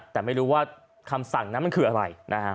แต่ไม่รู้ว่าคำสั่งนั้นมันคืออะไร